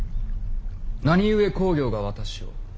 何故公暁が私を。